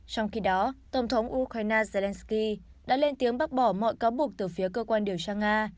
trong khi đó tổng thống ukraine zelensky đã lên tiếng bác bỏ mọi cáo buộc từ phía cơ quan điều tra nga